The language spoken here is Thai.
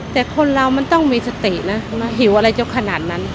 แต่คนเรามันต้องมีสตินะหิวอะไรจะขนาดนั้น